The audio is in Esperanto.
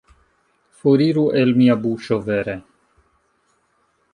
Foriru el mia buŝo, vere!